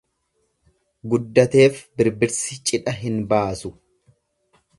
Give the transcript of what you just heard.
Guddateef birbirsi cidha hin baasu.